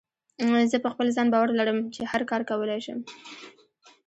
زه په خپل ځان باور لرم چې هر کار کولی شم.